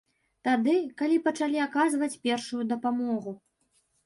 Тады, калі пачалі аказваць першую дапамогу.